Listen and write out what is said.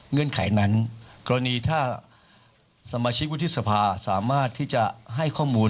ไขนั้นกรณีถ้าสมาชิกวุฒิสภาสามารถที่จะให้ข้อมูล